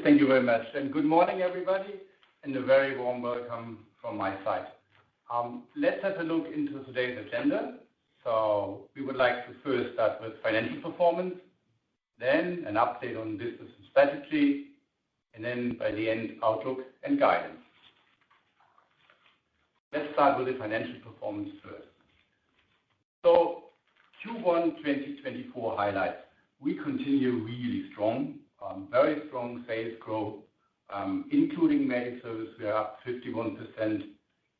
Yes, thank you very much, and good morning, everybody, and a very warm welcome from my side. Let's have a look into today's agenda. So we would like to first start with financial performance, then an update on business strategy, and then by the end, outlook and guidance. Let's start with the financial performance first. So Q1 2024 highlights: We continue really strong, very strong sales growth, including Mediservice, we are up 51%,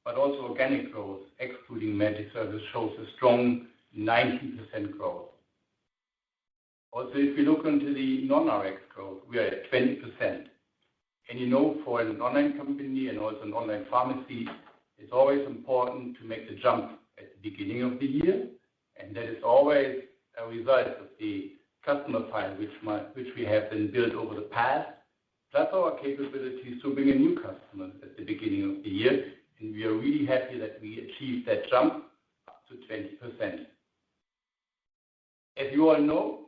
but also organic growth, excluding Mediservice, shows a strong 19% growth. Also, if you look into the non-Rx growth, we are at 20%. And, you know, for an online company and also an online pharmacy, it's always important to make the jump at the beginning of the year, and that is always a result of the customer file, which we have been built over the past. Plus, our capability is to bring in new customers at the beginning of the year, and we are really happy that we achieved that jump up to 20%. As you all know,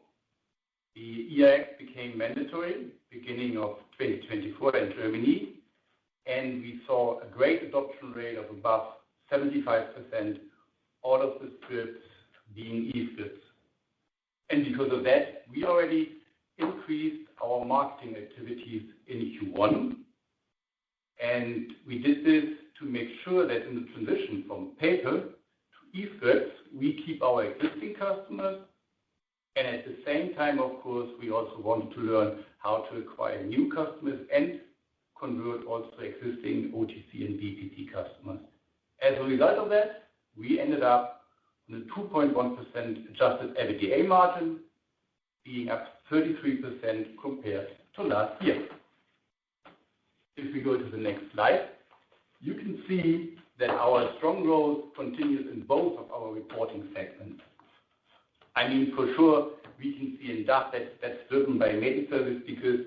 the e-Rezept became mandatory beginning of 2024 in Germany, and we saw a great adoption rate of above 75%, all of the scripts being e-scripts. And because of that, we already increased our marketing activities in Q1, and we did this to make sure that in the transition from paper to e-scripts, we keep our existing customers, and at the same time, of course, we also want to learn how to acquire new customers and convert also existing OTC and VPT customers. As a result of that, we ended up with a 2.1% Adjusted EBITDA margin, being up 33% compared to last year. If we go to the next slide, you can see that our strong growth continues in both of our reporting segments. I mean, for sure, we can see in DACH that's driven by Mediservice because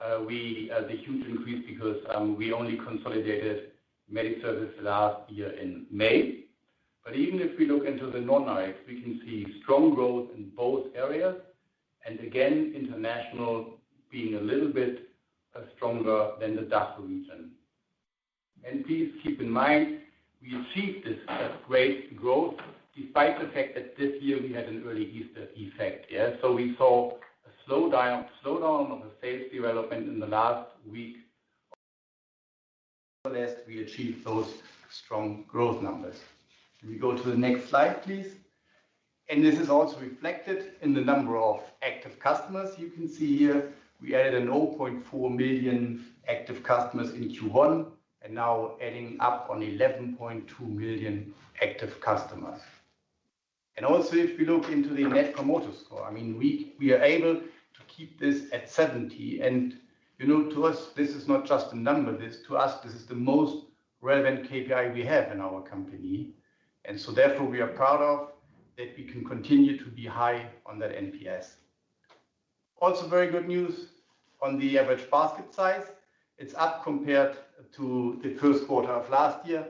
the huge increase because we only consolidated Mediservice last year in May. But even if we look into the non-Rx, we can see strong growth in both areas, and again, international being a little bit stronger than the DACH region. And please keep in mind, we achieved this great growth despite the fact that this year we had an early Easter effect. So we saw a slowdown of the sales development in the last week. Nevertheless, we achieved those strong growth numbers. Can we go to the next slide, please? And this is also reflected in the number of active customers. You can see here, we added 0.4 million active customers in Q1, and now adding up on 11.2 million active customers. And also, if we look into the Net Promoter Score, I mean, we, we are able to keep this at 70. And, you know, to us, this is not just a number. This, to us, this is the most relevant KPI we have in our company, and so therefore, we are proud of that we can continue to be high on that NPS. Also, very good news on the average basket size. It's up compared to the Q1 of last year,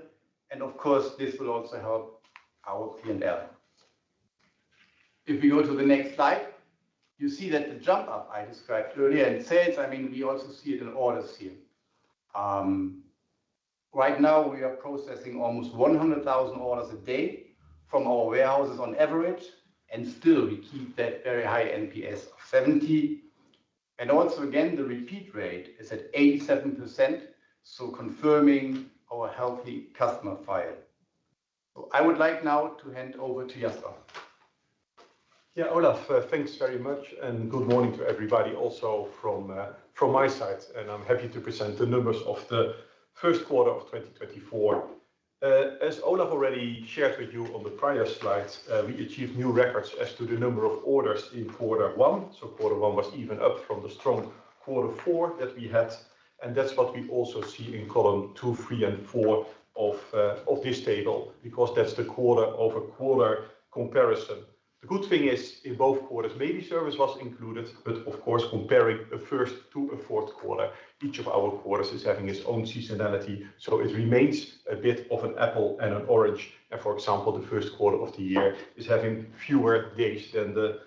and of course, this will also help our P&L. If we go to the next slide, you see that the jump up I described earlier in sales, I mean, we also see it in orders here. Right now, we are processing almost 100,000 orders a day from our warehouses on average, and still we keep that very high NPS of 70. And also, again, the repeat rate is at 87%, so confirming our healthy customer file. So I would like now to hand over to Jasper. Yeah, Olaf, thanks very much, and good morning to everybody, also from my side, and I'm happy to present the numbers of the Q1 of 2024. As Olaf already shared with you on the prior slides, we achieved new records as to the number of orders in quarter 1. So quarter 1 was even up from the strong Q4 that we had, and that's what we also see in column 2, 3, and 4 of this table, because that's the quarter-over-quarter comparison. The good thing is, in both quarters, Mediservice was included, but of course, comparing a first to a Q4, each of our quarters is having its own seasonality, so it remains a bit of an apple and an orange. For example, the Q1 of the year is having fewer days than the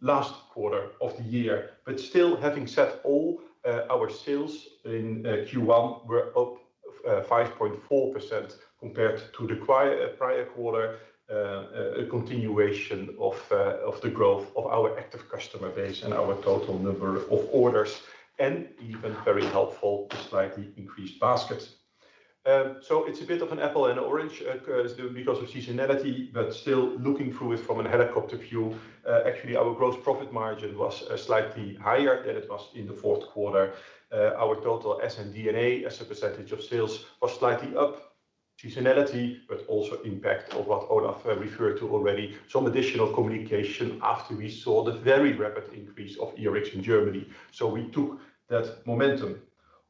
last quarter of the year. But still, having said all, our sales in Q1 were up 5.4% compared to the prior quarter, a continuation of the growth of our active customer base and our total number of orders, and even very helpful to slightly increase baskets. So it's a bit of an apple and orange because of seasonality, but still looking through it from a helicopter view, actually, our gross profit margin was slightly higher than it was in the Q4. Our total S&DNA, as a percentage of sales, was slightly up, seasonality, but also impact of what Olaf referred to already, some additional communication after we saw the very rapid increase of eArzt in Germany, so we took that momentum.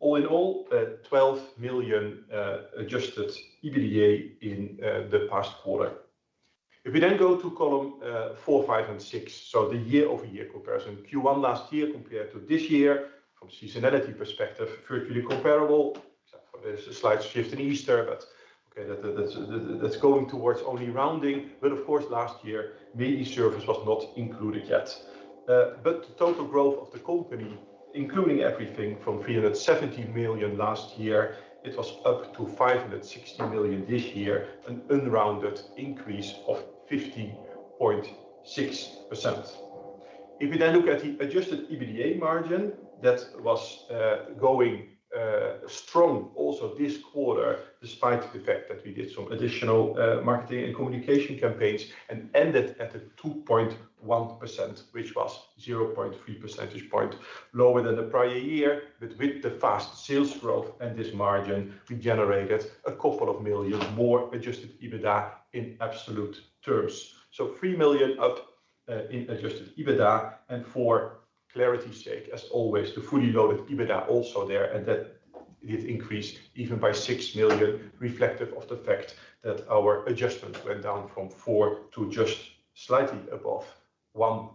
All in all, 12 million adjusted EBITDA in the past quarter. If we then go to column 4, 5, and 6, so the year-over-year comparison, Q1 last year compared to this year, from seasonality perspective, virtually comparable. There's a slight shift in Easter, but okay, that's going towards only rounding. But of course, last year, Mediservice was not included yet. But the total growth of the company, including everything from 370 million last year, it was up to 560 million this year, an unrounded increase of 50.6%. If we then look at the Adjusted EBITDA margin, that was going strong also this quarter, despite the fact that we did some additional marketing and communication campaigns, and ended at a 2.1%, which was 0.3 percentage point lower than the prior year. But with the fast sales growth and this margin, we generated a couple of million EUR more Adjusted EBITDA in absolute terms. So 3 million up in Adjusted EBITDA, and for clarity's sake, as always, the fully loaded EBITDA also there, and that it increased even by 6 million, reflective of the fact that our adjustments went down from 4 million to just slightly above 1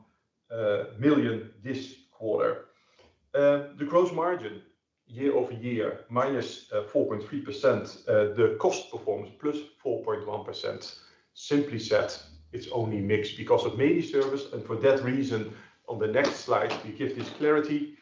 million this quarter. The gross margin year-over-year minus 4.3%, the cost performance plus 4.1%. Simply said, it's only mixed because of Mediservice, and for that reason, on the next slide, we give this clarity.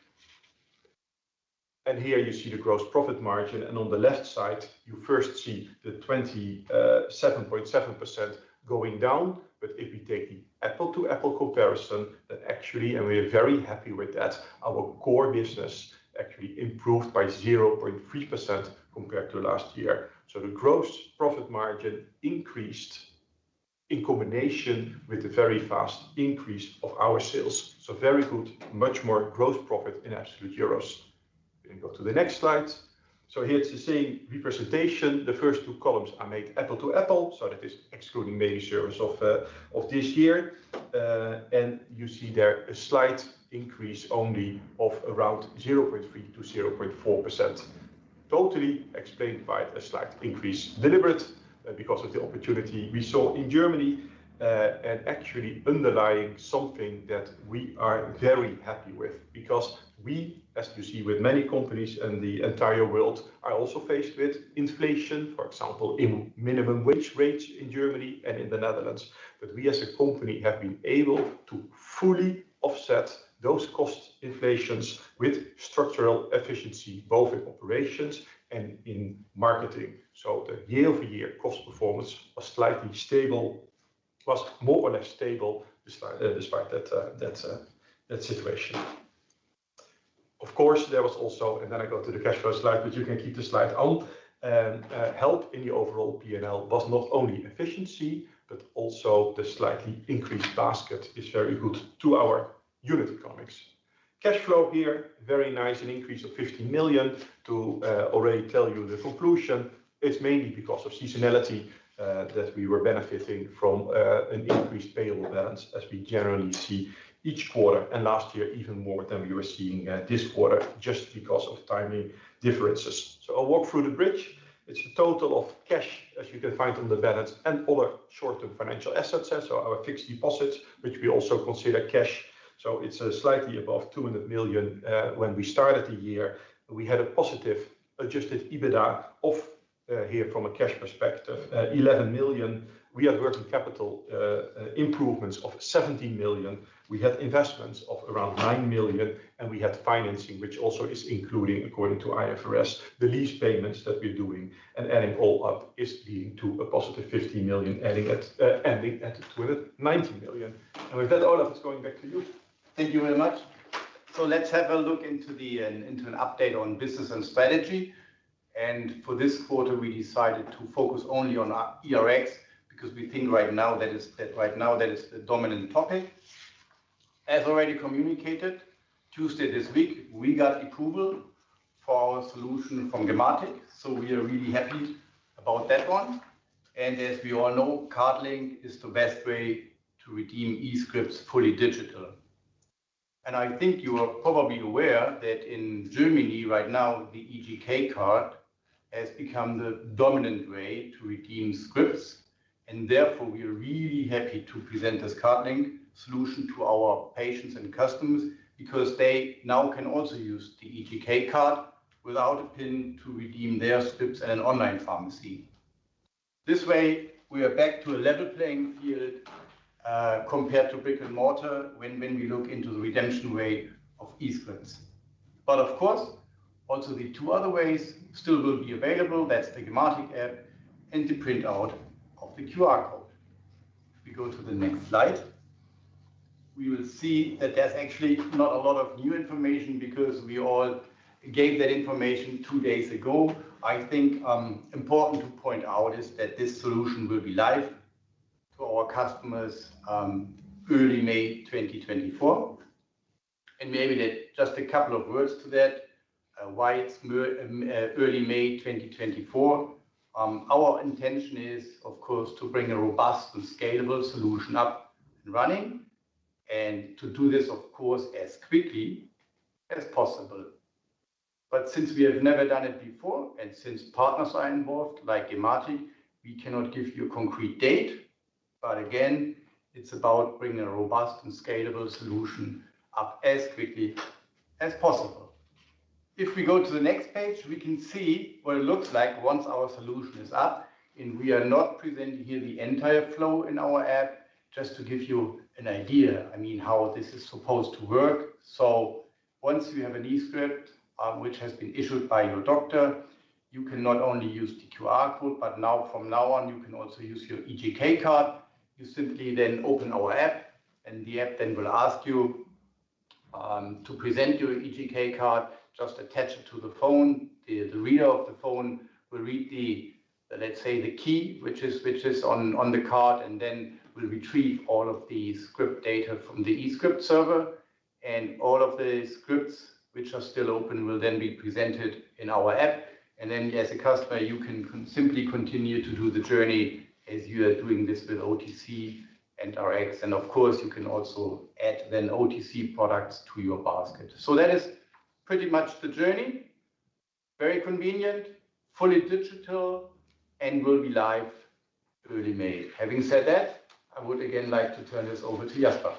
Here you see the gross profit margin, and on the left side, you first see the 27.7% going down. But if we take the apple to apple comparison, that actually, and we are very happy with that, our core business actually improved by 0.3% compared to last year. The gross profit margin increased in combination with the very fast increase of our sales. Very good, much more gross profit in absolute euros. We can go to the next slide. Here it's the same representation. The first two columns are made apple to apple, so that is excluding Mediservice of this year. And you see there a slight increase only of around 0.3%-0.4%. Totally explained by a slight increase, deliberate, because of the opportunity we saw in Germany, and actually underlying something that we are very happy with, because we, as you see with many companies in the entire world, are also faced with inflation, for example, in minimum wage rates in Germany and in the Netherlands. But we as a company have been able to fully offset those cost inflations with structural efficiency, both in operations and in marketing. So the year-over-year cost performance was slightly stable, was more or less stable, despite that situation. Of course, there was also... And then I go to the cash flow slide, but you can keep the slide out. Help in the overall P&L was not only efficiency, but also the slightly increased basket is very good to our unit economics. Cash flow here, very nice, an increase of 50 million. Already tell you the conclusion, it's mainly because of seasonality that we were benefiting from an increased payable balance, as we generally see each quarter, and last year, even more than we were seeing this quarter, just because of timing differences. So I'll walk through the bridge. It's a total of cash, as you can find on the balance, and other short-term financial assets, so our fixed deposits, which we also consider cash. So it's slightly above 200 million. When we started the year, we had a positive adjusted EBITDA of, here from a cash perspective, 11 million. We had working capital improvements of 17 million. We had investments of around 9 million, and we had financing, which also is including, according to IFRS, the lease payments that we're doing. Adding all up is leading to a positive 50 million, ending at 290 million. With that, Olaf, it's going back to you. Thank you very much. So let's have a look into the into an update on business and strategy. And for this quarter, we decided to focus only on our eRx, because we think right now that is the dominant topic. As already communicated, Tuesday this week, we got approval for our solution from gematik, so we are really happy about that one. And as we all know, CardLink is the best way to redeem e-scripts fully digital. And I think you are probably aware that in Germany right now, the eGK card has become the dominant way to redeem scripts, and therefore, we are really happy to present this CardLink solution to our patients and customers because they now can also use the eGK card without a pin to redeem their scripts at an online pharmacy. This way, we are back to a level playing field, compared to brick and mortar when we look into the redemption way of e-Rx. But of course, also the two other ways still will be available. That's the gematik app and the printout of the QR code. If we go to the next slide, we will see that there's actually not a lot of new information because we all gave that information two days ago. I think, important to point out is that this solution will be live to our customers, early May 2024. And maybe that just a couple of words to that, why it's early May 2024. Our intention is, of course, to bring a robust and scalable solution up and running, and to do this, of course, as quickly as possible. But since we have never done it before, and since partners are involved, like gematik, we cannot give you a concrete date. But again, it's about bringing a robust and scalable solution up as quickly as possible. If we go to the next page, we can see what it looks like once our solution is up, and we are not presenting here the entire flow in our app. Just to give you an idea, I mean, how this is supposed to work. So once you have an e-Rezept, which has been issued by your doctor, you can not only use the QR code, but now, from now on, you can also use your eGK card. You simply then open our app, and the app then will ask you to present your eGK card. Just attach it to the phone. The reader of the phone will read the key, which is on the card, and then will retrieve all of the script data from the eScript server. And all of the scripts which are still open will then be presented in our app, and then as a customer, you can simply continue to do the journey as you are doing this with OTC and Rx. And of course, you can also add then OTC products to your basket. So that is pretty much the journey. Very convenient, fully digital, and will be live early May. Having said that, I would again like to turn this over to Jasper.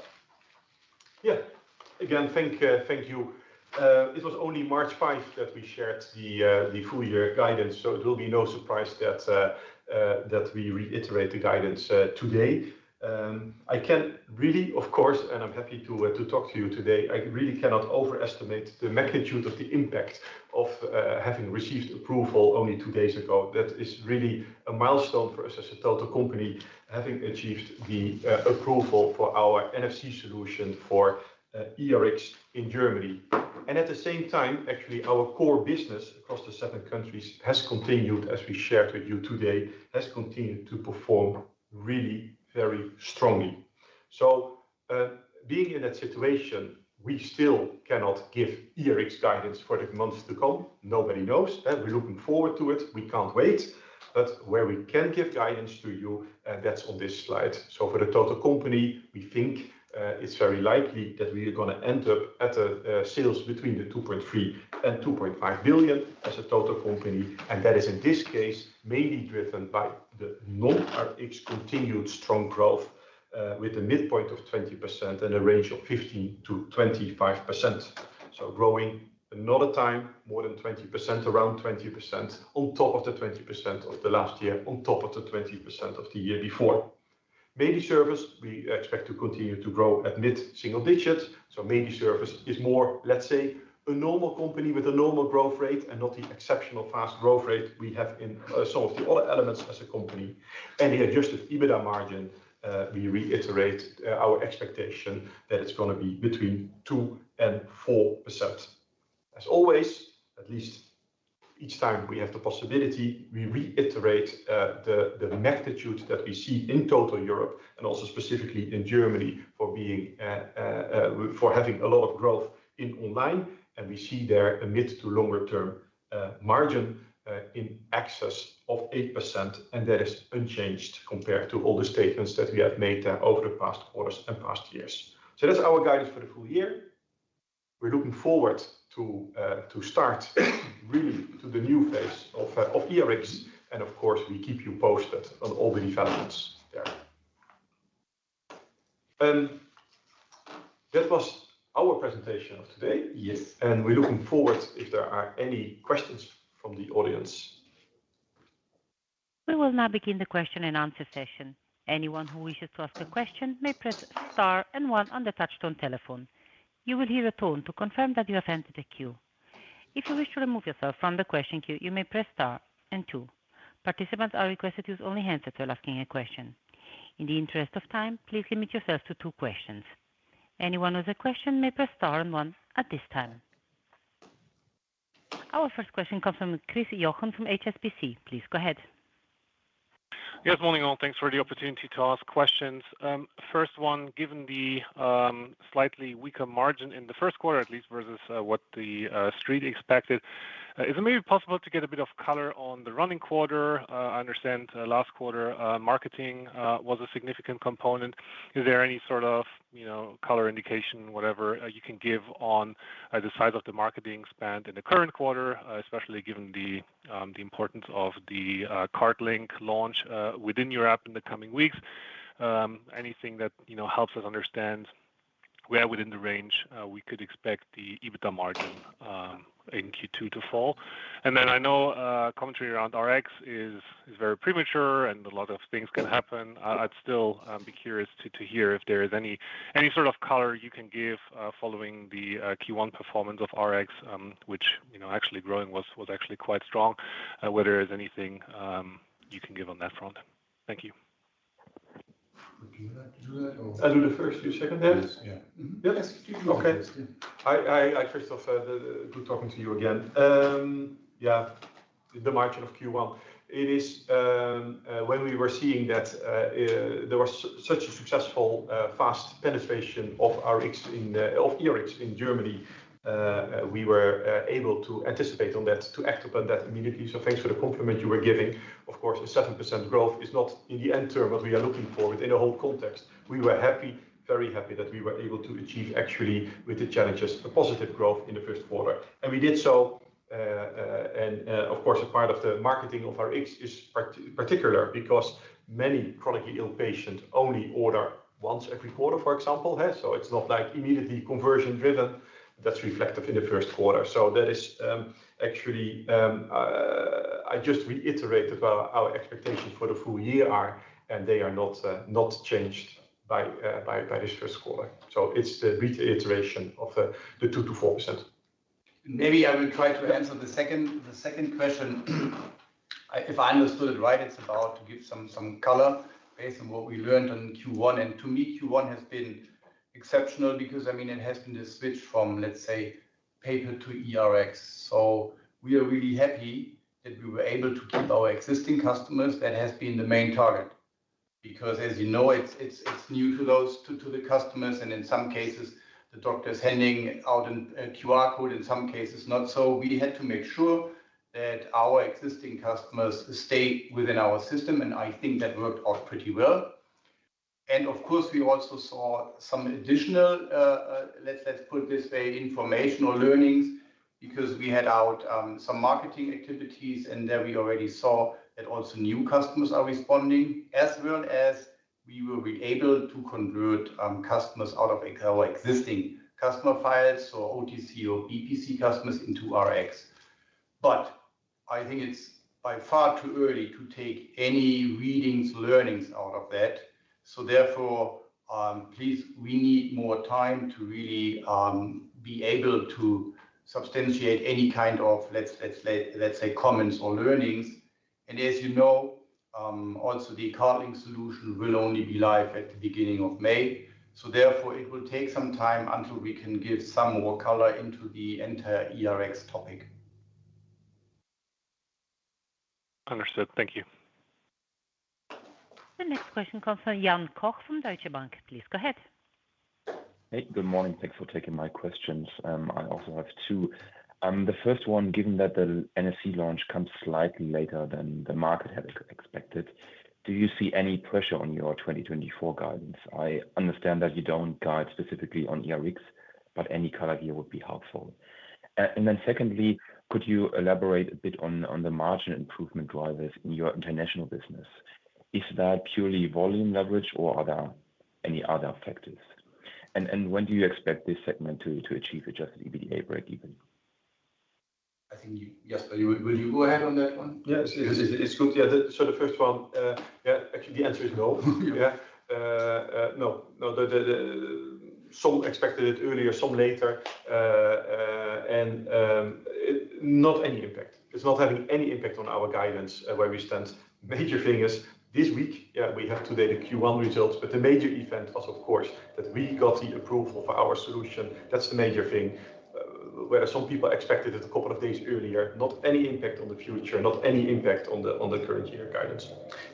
Yeah. Again, thank you, thank you. It was only March fifth that we shared the, the full year guidance, so it will be no surprise that, that we reiterate the guidance, today. I can't really, of course, and I'm happy to, to talk to you today. I really cannot overestimate the magnitude of the impact of, having received approval only two days ago. That is really a milestone for us as a total company, having achieved the, approval for our NFC solution for, eRx in Germany. And at the same time, actually, our core business across the seven countries has continued, as we shared with you today, has continued to perform really very strongly. So, being in that situation, we still cannot give eRx guidance for the months to come. Nobody knows. And we're looking forward to it. We can't wait. But where we can give guidance to you, that's on this slide. So for the total company, we think, it's very likely that we are gonna end up at a, sales between 2.3 billion and 2.5 billion as a total company, and that is, in this case, mainly driven by the non-Rx continued strong growth, with a midpoint of 20% and a range of 15%-25%. So growing another time, more than 20%, around 20%, on top of the 20% of the last year, on top of the 20% of the year before. Maybe service, we expect to continue to grow at mid-single digits. So maybe Mediservice is more, let's say, a normal company with a normal growth rate and not the exceptional fast growth rate we have in, some of the other elements as a company. And the adjusted EBITDA margin, we reiterate, our expectation that it's gonna be between 2%-4%. As always, at least each time we have the possibility, we reiterate, the magnitude that we see in total Europe and also specifically in Germany, for having a lot of growth in online. And we see there a mid- to long-term margin in excess of 8%, and that is unchanged compared to all the statements that we have made, over the past quarters and past years. So that's our guidance for the full year. We're looking forward to start really to the new phase of eRx, and of course, we keep you posted on all the developments there. That was our presentation of today. Yes. We're looking forward if there are any questions from the audience. We will now begin the question and answer session. Anyone who wishes to ask a question may press Star and One on the touchtone telephone. You will hear a tone to confirm that you have entered the queue. If you wish to remove yourself from the question queue, you may press Star and Two. Participants are requested to use only hands if they're asking a question. In the interest of time, please limit yourself to two questions. Anyone with a question may press Star and One at this time. Our first question comes from Chris Johnen from HSBC. Please go ahead. Yes, morning, all. Thanks for the opportunity to ask questions. First one, given the slightly weaker margin in the Q1, at least versus what the street expected, is it maybe possible to get a bit of color on the running quarter? I understand last quarter, marketing was a significant component. Is there any sort of, you know, color indication, whatever, you can give on the size of the marketing spend in the current quarter? Especially given the importance of the CardLink launch within your app in the coming weeks. Anything that, you know, helps us understand where within the range we could expect the EBITDA margin in Q2 to fall? And then I know commentary around Rx is very premature and a lot of things can happen. I'd still be curious to hear if there is any sort of color you can give following the Q1 performance of Rx, which, you know, actually growing was actually quite strong, whether there is anything you can give on that front. Thank you. Do you like to do that or? I'll do the first, you second then. Yes. Yeah. Mm-hmm. Yes, you do. Okay. I first off, good talking to you again. Yeah, the margin of Q1, it is, when we were seeing that, there was such a successful, fast penetration of Rx in the of eRx in Germany, we were able to anticipate on that to act upon that immediately. So thanks for the compliment you were giving. Of course, a 7% growth is not in the end term what we are looking for within the whole context. We were happy, very happy, that we were able to achieve actually, with the challenges, a positive growth in the Q1. And we did so, and, of course, a part of the marketing of Rx is particularly because many chronically ill patients only order once every quarter, for example, hey, so it's not like immediately conversion driven. That's reflective in the Q1. So that is actually, I just reiterated well, our expectations for the full year are, and they are not changed by this Q1. So it's the reiteration of the 2%-4%.... Maybe I will try to answer the second question. If I understood it right, it's about to give some color based on what we learned on Q1. And to me, Q1 has been exceptional because, I mean, it has been a switch from, let's say, paper to eRx. So we are really happy that we were able to keep our existing customers. That has been the main target, because as you know, it's new to those customers, and in some cases, the doctor is handing out a QR code, in some cases, not. So we had to make sure that our existing customers stay within our system, and I think that worked out pretty well. Of course, we also saw some additional, let's put this way, informational learnings, because we had some marketing activities, and there we already saw that also new customers are responding, as well as we will be able to convert customers out of our existing customer files, so OTC or BPC customers into RX. But I think it's by far too early to take any readings, learnings out of that. So therefore, please, we need more time to really be able to substantiate any kind of, let's say, comments or learnings. And as you know, also the CardLink solution will only be live at the beginning of May, so therefore, it will take some time until we can give some more color into the entire eRx topic. Understood. Thank you. The next question comes from Jan Koch from Deutsche Bank. Please go ahead. Hey, good morning. Thanks for taking my questions. I also have two. The first one, given that the NFC launch comes slightly later than the market had expected, do you see any pressure on your 2024 guidance? I understand that you don't guide specifically on eRx, but any color here would be helpful. And then secondly, could you elaborate a bit on the margin improvement drivers in your international business? Is that purely volume leverage or are there any other factors? And when do you expect this segment to achieve Adjusted EBITDA break even? I think you... Yes, but you, will you go ahead on that one? Yes, it's good. Yeah. So the first one, yeah, actually, the answer is no. Yeah. No. No, some expected it earlier, some later, and not any impact. It's not having any impact on our guidance, where we stand. Major thing is this week, yeah, we have today the Q1 results, but the major event was, of course, that we got the approval for our solution. That's the major thing. Where some people expected it a couple of days earlier. Not any impact on the future, not any impact on the current year guidance.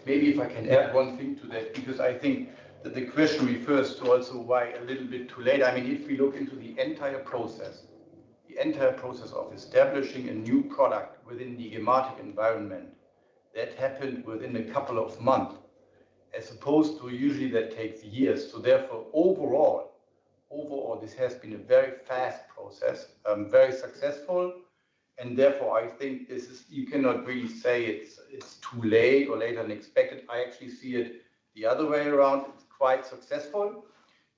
Maybe if I can add one thing to that, because I think that the question refers to also why a little bit too late. I mean, if we look into the entire process, the entire process of establishing a new product within the gematik environment, that happened within a couple of months, as opposed to usually that takes years. So therefore, overall, overall, this has been a very fast process, very successful, and therefore, I think this is... You cannot really say it's, it's too late or later than expected. I actually see it the other way around. It's quite successful,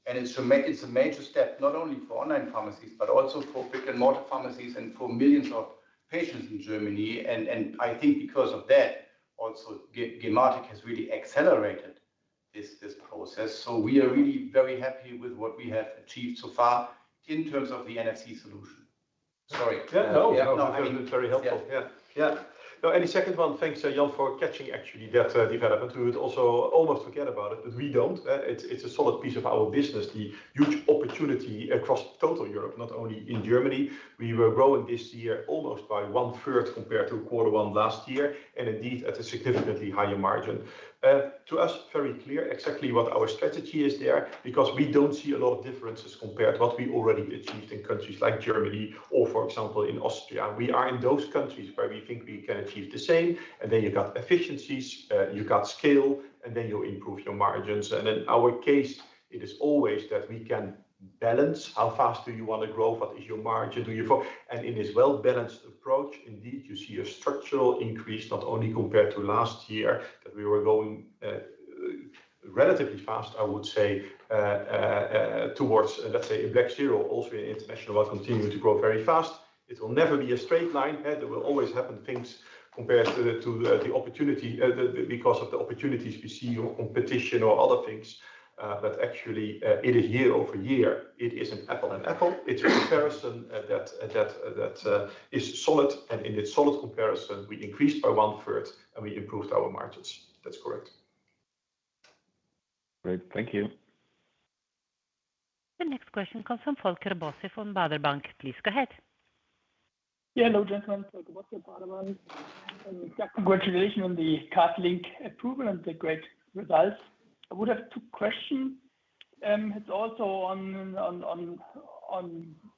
and it's a major step, not only for online pharmacies but also for brick-and-mortar pharmacies and for millions of patients in Germany. And, and I think because of that, also, gematik has really accelerated this, this process. We are really very happy with what we have achieved so far in terms of the NFC solution. Sorry. Yeah. No, No, I mean- Very helpful. Yeah. Yeah. No, and the second one, thanks, Jan, for catching actually that development. We would also almost forget about it, but we don't. It's a solid piece of our business, the huge opportunity across total Europe, not only in Germany. We were growing this year almost by one-third compared to quarter one last year, and indeed, at a significantly higher margin. To us, very clear exactly what our strategy is there because we don't see a lot of differences compared to what we already achieved in countries like Germany or, for example, in Austria. We are in those countries where we think we can achieve the same, and then you got efficiencies, you got scale, and then you improve your margins. In our case, it is always that we can balance how fast do you wanna grow, what is your margin, and in this well-balanced approach, indeed, you see a structural increase, not only compared to last year, that we were growing relatively fast, I would say, towards, let's say, in Benelux, Switzerland, Austria. International will continue to grow very fast. It will never be a straight line. There will always happen things compared to the opportunity because of the opportunities we see or competition or other things, but actually, it is year-over-year. It is an apples-to-apples comparison that is solid, and in this solid comparison, we increased by one-third, and we improved our margins. That's correct. Great. Thank you. The next question comes from Volker Bosse from Baader Bank. Please go ahead. Yeah, hello, gentlemen. Volker Bosse, Baader Bank. Congratulations on the CardLink approval and the great results. I would have two question. It's also on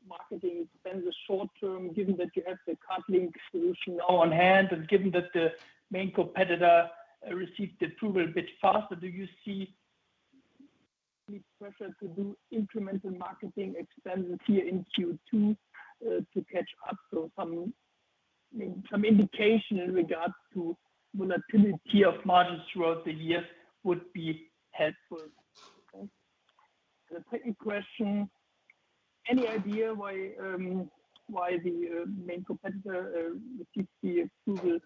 marketing spend the short term, given that you have the CardLink solution now on hand, and given that the main competitor received approval a bit faster, do you see any pressure to do incremental marketing expenses here in Q2 to catch up? So some indication in regards to volatility of margins throughout the year would be helpful. Okay. The second question: Any idea why the main competitor received the approval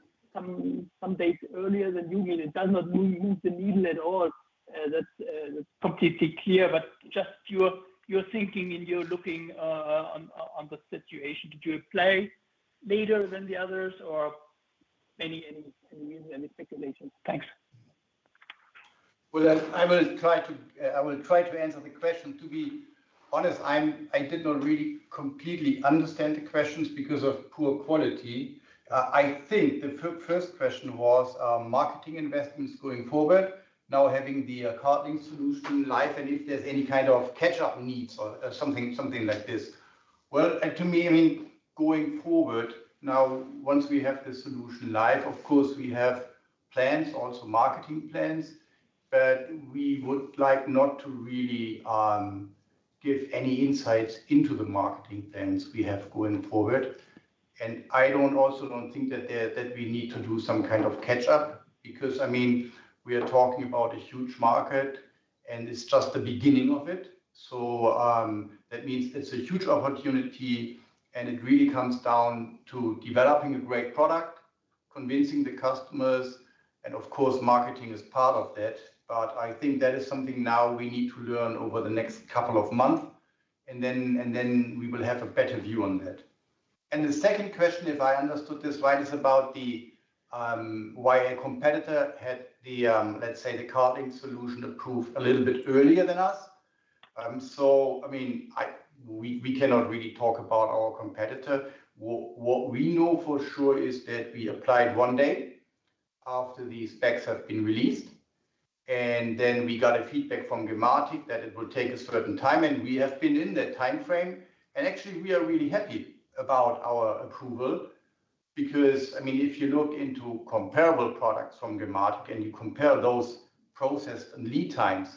some days earlier than you did? It does not move the needle at all.... that's completely clear, but just your thinking and your looking on the situation. Did you apply later than the others or any speculations? Thanks. Well, I will try to answer the question. To be honest, I did not really completely understand the questions because of poor quality. I think the first question was, marketing investments going forward, now having the CardLink solution live, and if there's any kind of catch-up needs or, something like this. Well, to me, I mean, going forward, now, once we have the solution live, of course, we have plans, also marketing plans, but we would like not to really, give any insights into the marketing plans we have going forward. And I don't also think that we need to do some kind of catch-up, because, I mean, we are talking about a huge market, and it's just the beginning of it. So, that means it's a huge opportunity, and it really comes down to developing a great product, convincing the customers, and of course, marketing is part of that. But I think that is something now we need to learn over the next couple of months, and then, and then we will have a better view on that. And the second question, if I understood this right, is about the, why a competitor had the, let's say, the CardLink solution approved a little bit earlier than us. So I mean, we cannot really talk about our competitor. What, what we know for sure is that we applied one day after the specs have been released, and then we got a feedback from gematik that it will take a certain time, and we have been in that timeframe. Actually, we are really happy about our approval, because, I mean, if you look into comparable products from gematik and you compare those process and lead times,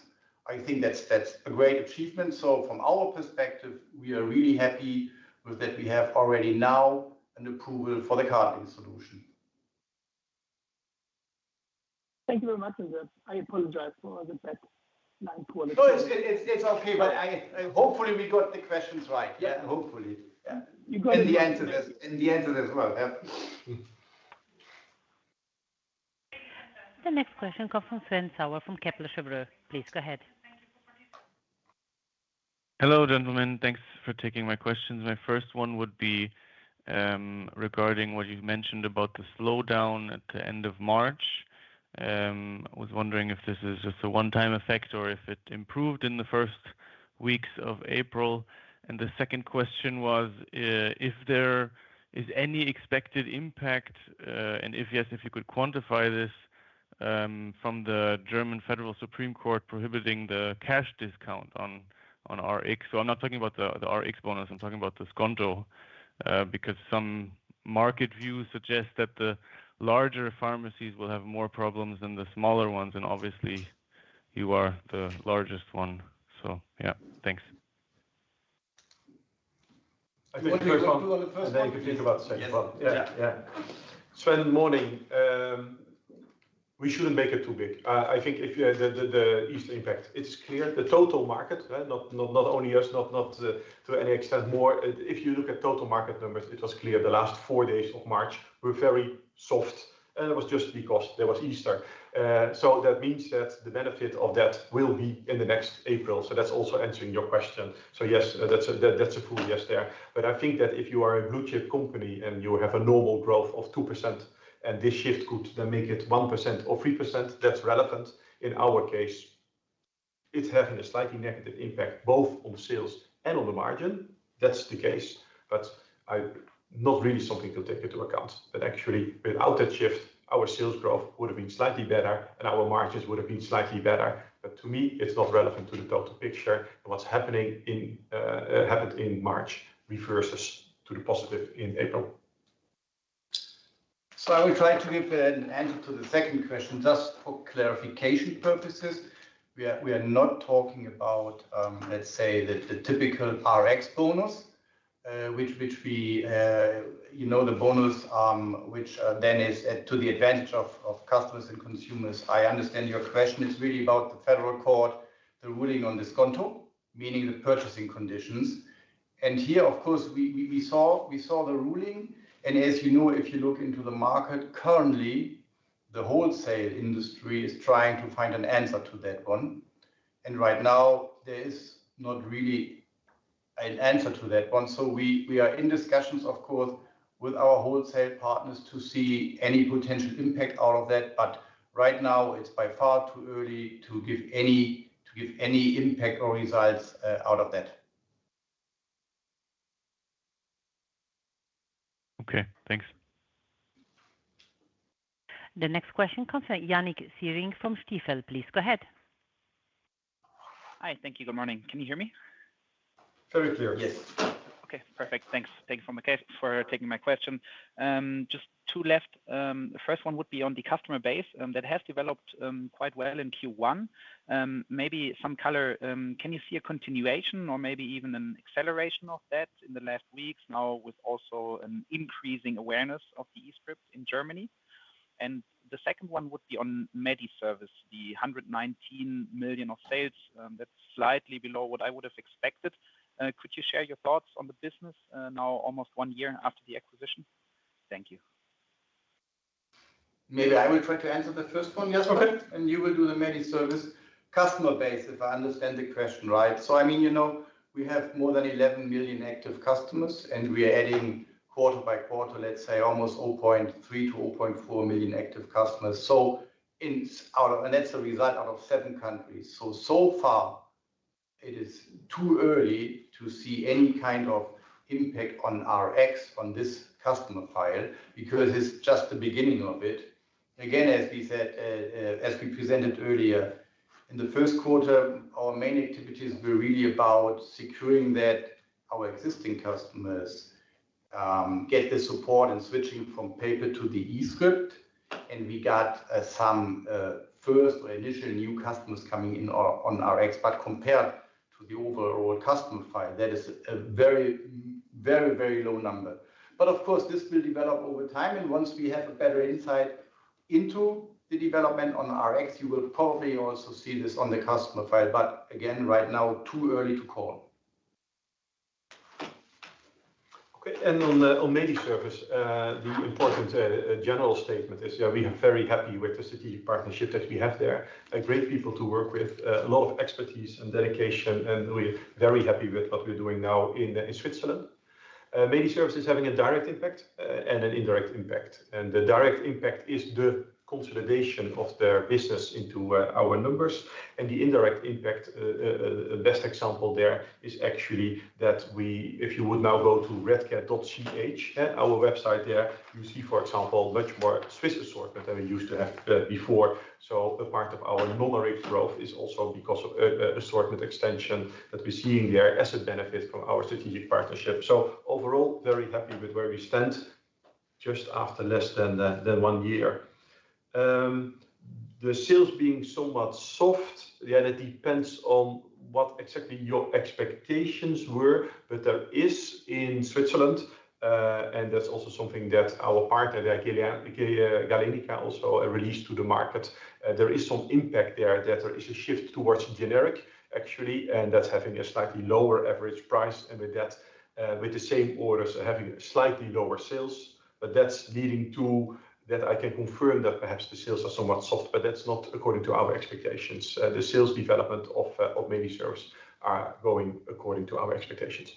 I think that's, that's a great achievement. From our perspective, we are really happy with that we have already now an approval for the CardLink solution. Thank you very much, and I apologize for the bad line quality. No, it's okay, but hopefully, we got the questions right. Yeah, hopefully. Yeah. You got it. And the answers, and the answers as well. Yeah. The next question comes from Sven Sauer from Kepler Cheuvreux. Please, go ahead. Hello, gentlemen. Thanks for taking my questions. My first one would be regarding what you've mentioned about the slowdown at the end of March. I was wondering if this is just a one-time effect or if it improved in the first weeks of April. And the second question was if there is any expected impact, and if, yes, if you could quantify this from the German Federal Supreme Court prohibiting the cash discount on Rx. So I'm not talking about the Rx bonus, I'm talking about the Sconto, because some market views suggest that the larger pharmacies will have more problems than the smaller ones, and obviously, you are the largest one. So yeah, thanks. I think first one. Do you want to do the first one? Then you think about the second one. Yes. Yeah, yeah. Sven, morning. We shouldn't make it too big. I think if you... The Easter impact, it's clear the total market, right? Not only us, not to any extent more. If you look at total market numbers, it was clear the last four days of March were very soft, and it was just because there was Easter. So that means that the benefit of that will be in the next April, so that's also answering your question. So yes, that's a full yes there. But I think that if you are a blue-chip company and you have a normal growth of 2%, and this shift could then make it 1% or 3%, that's relevant. In our case, it's having a slightly negative impact both on sales and on the margin. That's the case, but not really something to take into account. But actually, without that shift, our sales growth would have been slightly better, and our margins would have been slightly better. But to me, it's not relevant to the total picture. What happened in March reverses to the positive in April. So I will try to give an answer to the second question. Just for clarification purposes, we are not talking about, let's say, the typical Rx bonus, which we you know the bonus, which then is at to the advantage of customers and consumers. I understand your question is really about the federal court, the ruling on the Sconto, meaning the purchasing conditions. And here, of course, we saw the ruling, and as you know, if you look into the market, currently, the wholesale Industriesy is trying to find an answer to that one. And right now, there is not really an answer to that one. So we are in discussions, of course, with our wholesale partners to see any potential impact out of that, but right now it's by far too early to give any impact or insights out of that. Okay, thanks. The next question comes from Yannik Siering from Stifel. Please go ahead. Hi. Thank you. Good morning. Can you hear me? Very clear. Yes. Okay, perfect. Thanks. Thank you for my case, for taking my question. Just two left. The first one would be on the customer base, that has developed quite well in Q1. Maybe some color, can you see a continuation or maybe even an acceleration of that in the last weeks now, with also an increasing awareness of the e-Rx in Germany? And the second one would be on Mediservice, the 119 million of sales, that's slightly below what I would have expected. Could you share your thoughts on the business, now almost one year after the acquisition? Thank you.... Maybe I will try to answer the first one, Jasper, and you will do the Mediservice customer base, if I understand the question right. So I mean, you know, we have more than 11 million active customers, and we are adding quarter by quarter, let's say, almost 0.3-0.4 million active customers. So, out of seven countries. And that's a result out of seven countries. So, so far, it is too early to see any kind of impact on Rx, on this customer file, because it's just the beginning of it. Again, as we said, as we presented earlier, in the Q1, our main activities were really about securing that our existing customers get the support in switching from paper to the e-Rx, and we got some first or initial new customers coming in on Rx. But compared to the overall customer file, that is a very, very, very low number. But of course, this will develop over time, and once we have a better insight into the development on Rx, you will probably also see this on the customer file. But again, right now, too early to call. Okay, and on Mediservice, the important general statement is that we are very happy with the strategic partnership that we have there. Great people to work with, a lot of expertise and dedication, and we're very happy with what we're doing now in Switzerland. Mediservice is having a direct impact and an indirect impact. And the direct impact is the consolidation of their business into our numbers, and the indirect impact, the best example there is actually that we... If you would now go to redcare.ch, at our website there, you see, for example, much more Swiss assortment than we used to have before. So a part of our net revenue growth is also because of assortment extension that we're seeing there as a benefit from our strategic partnership. So overall, very happy with where we stand just after less than one year. The sales being somewhat soft, yeah, that depends on what exactly your expectations were. But there is in Switzerland, and that's also something that our partner there, Galenica, also released to the market. There is some impact there, that there is a shift towards generic, actually, and that's having a slightly lower average price, and with that, the same orders having slightly lower sales. But that's leading to, that I can confirm that perhaps the sales are somewhat soft, but that's not according to our expectations. The sales development of Mediservice are going according to our expectations.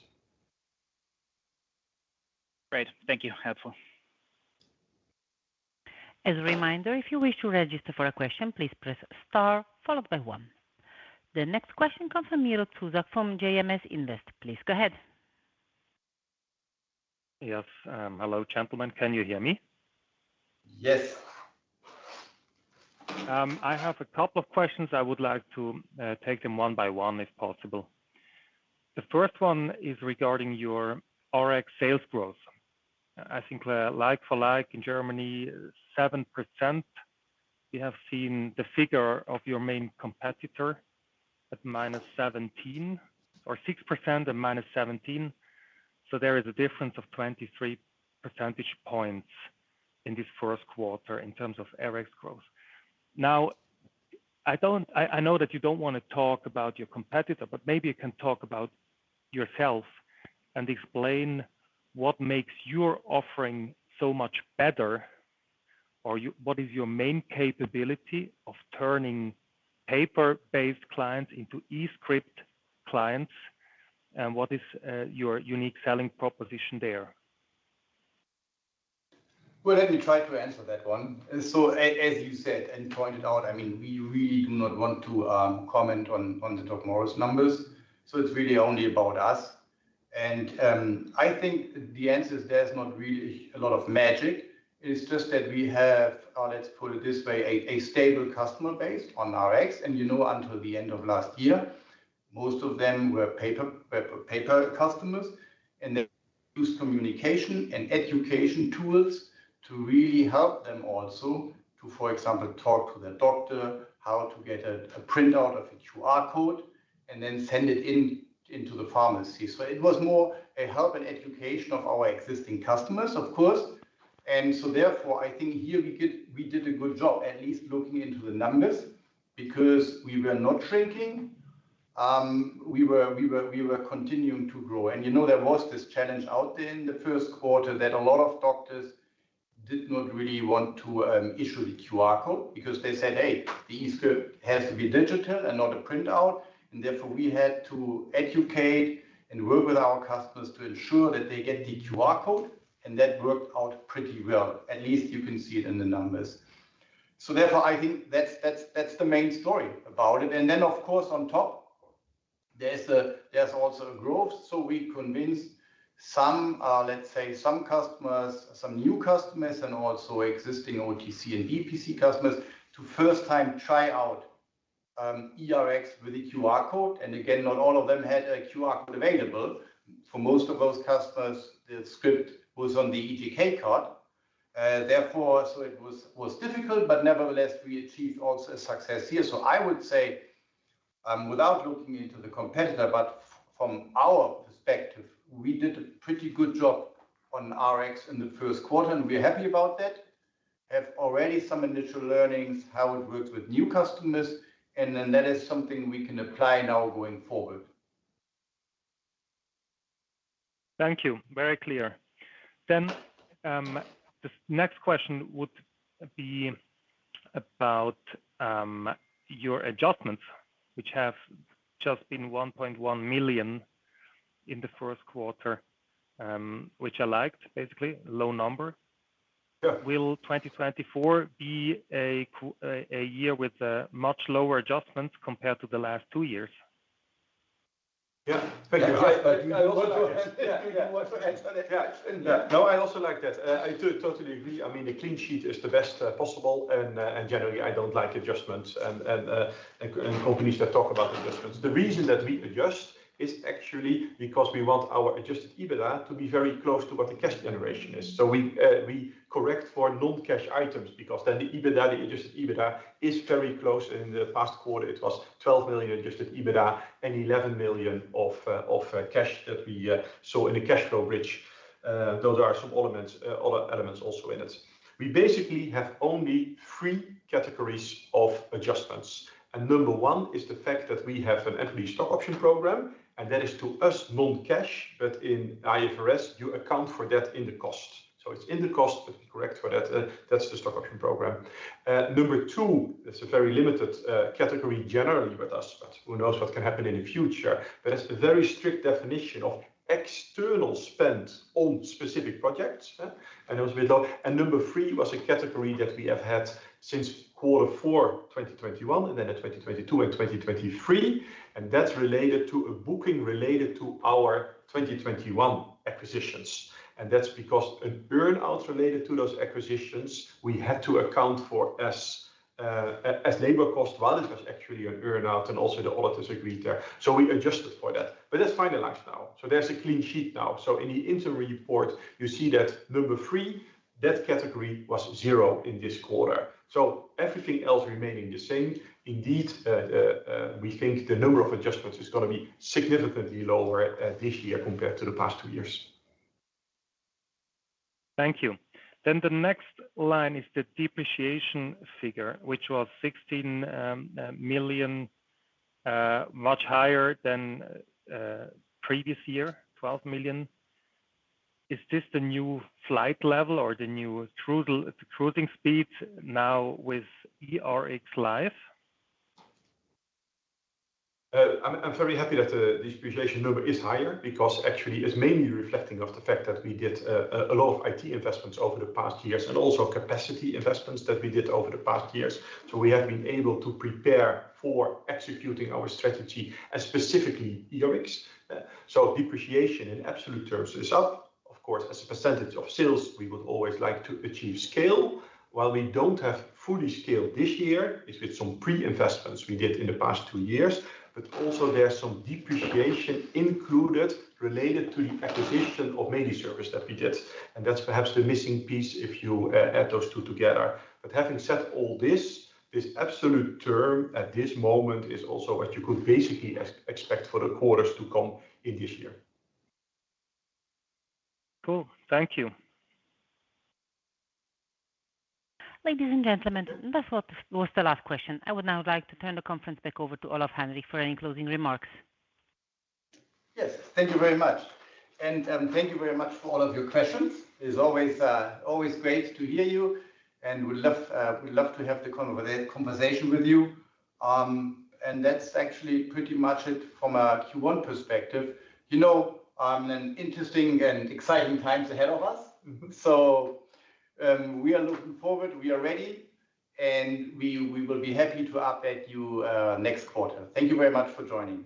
Great. Thank you. Helpful. As a reminder, if you wish to register for a question, please press star followed by one. The next question comes from Miro Tuzak from JMS Industries. Please go ahead. Yes. Hello, gentlemen. Can you hear me? Yes. I have a couple of questions. I would like to take them one by one, if possible. The first one is regarding your Rx sales growth. I think, like for like in Germany, 7%, we have seen the figure of your main competitor at minus 17, or 6% and minus 17. So there is a difference of 23 percentage points in this Q1 in terms of Rx growth. Now, I don't know that you don't want to talk about your competitor, but maybe you can talk about yourself and explain what makes your offering so much better, what is your main capability of turning paper-based clients into eScript clients? And what is your unique selling proposition there? Well, let me try to answer that one. So as, as you said and pointed out, I mean, we really do not want to, comment on, on the DocMorris numbers, so it's really only about us. And, I think the answer is there's not really a lot of magic. It's just that we have, or let's put it this way, a, a stable customer base on Rx. And, you know, until the end of last year, most of them were paper, paper, paper customers, and they use communication and education tools to really help them also to, for example, talk to their doctor, how to get a, a printout of a QR code and then send it in, into the pharmacy. So it was more a help and education of our existing customers, of course. So therefore, I think here we could, we did a good job, at least looking into the numbers, because we were not shrinking. We were continuing to grow. And, you know, there was this challenge out there in the Q1 that a lot of doctors did not really want to issue the QR code because they said, "Hey, the e-Rezept has to be digital and not a printout." And therefore, we had to educate and work with our customers to ensure that they get the QR code, and that worked out pretty well, at least you can see it in the numbers. So therefore, I think that's the main story about it. And then, of course, on top, there's also a growth. So we convinced some, let's say some customers, some new customers, and also existing OTC and BPC customers to first time try out eRx with a QR code. And again, not all of them had a QR code available. For most of those customers, the script was on the eGK card, therefore, so it was difficult, but nevertheless, we achieved also a success here. So I would say, without looking into the competitor, but from our perspective, we did a pretty good job on Rx in the Q1, and we're happy about that. Have already some initial learnings, how it works with new customers, and then that is something we can apply now going forward.... Thank you. Very clear. Then, the next question would be about, your adjustments, which have just been 1.1 million in the Q1, which I liked, basically, low number. Yeah. Will 2024 be a year with much lower adjustments compared to the last two years? Yeah. Thank you. Yeah. No, I also like that. I do totally agree. I mean, the clean sheet is the best possible, and generally, I don't like adjustments and companies that talk about adjustments. The reason that we adjust is actually because we want our adjusted EBITDA to be very close to what the cash generation is. So we correct for non-cash items because then the EBITDA, the adjusted EBITDA, is very close. In the past quarter, it was 12 million adjusted EBITDA and 11 million of cash that we saw in the cash flow bridge. Those are some elements, other elements also in it. We basically have only three categories of adjustments, and number one is the fact that we have an employee stock option program, and that is, to us, non-cash, but in IFRS, you account for that in the cost. So it's in the cost, but we correct for that, and that's the stock option program. Number two, it's a very limited category generally with us, but who knows what can happen in the future? But it's a very strict definition of external spend on specific projects, yeah, and those. And number three was a category that we have had since quarter four 2021, and then in 2022 and 2023, and that's related to a booking related to our 2021 acquisitions. That's because an earn-out related to those acquisitions, we had to account for as, as labor cost, while it was actually an earn-out, and also the auditors agreed there. So we adjusted for that. But that's finalized now, so there's a clean sheet now. So in the interim report, you see that number 3, that category was 0 in this quarter. So everything else remaining the same, indeed, we think the number of adjustments is gonna be significantly lower, this year compared to the past 2 years. Thank you. Then the next line is the depreciation figure, which was 16 million, much higher than previous year, 12 million. Is this the new flight level or the new cruise, cruising speed now with eRx live? I'm very happy that the depreciation number is higher because actually, it's mainly reflecting the fact that we did a lot of IT investments over the past years, and also capacity investments that we did over the past years. So we have been able to prepare for executing our strategy and specifically eRx. So depreciation in absolute terms is up. Of course, as a percentage of sales, we would always like to achieve scale. While we don't have fully scaled this year, it's with some pre-investments we did in the past two years, but also there are some depreciation included related to the acquisition of Mediservice that we did, and that's perhaps the missing piece if you add those two together. But having said all this, this absolute term at this moment is also what you could basically expect for the quarters to come in this year. Cool. Thank you. Ladies and gentlemen, that was the last question. I would now like to turn the conference back over to Olaf Heinrich for any closing remarks. Yes, thank you very much, and thank you very much for all of your questions. It's always always great to hear you, and we love we love to have the conversation with you. And that's actually pretty much it from a Q1 perspective. You know, and interesting and exciting times ahead of us. Mm-hmm. So, we are looking forward, we are ready, and we will be happy to update you next quarter. Thank you very much for joining.